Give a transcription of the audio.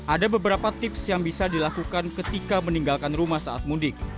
ada beberapa tips yang bisa dilakukan ketika meninggalkan rumah saat mudik